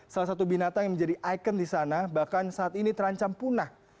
salah satu binatang yang menjadi ikon di sana bahkan saat ini terancam punah